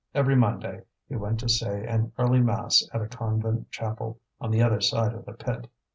Every Monday he went to say an early mass at a convent chapel on the other side of the pit.